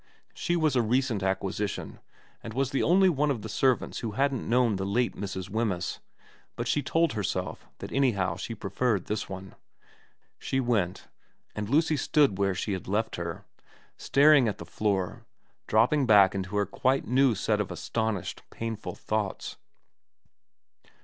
She was a recent acquisition, and was the only one of the servants who hadn't known the late Mrs. Wemyss, but she told herself that anyhow she preferred this one. She went ; and Lucy stood where she had left her, staring at the floor, dropping back into her quite new set of astonished, painful thoughts.